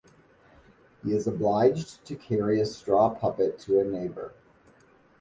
He is obliged to carry a straw puppet to a neighbor.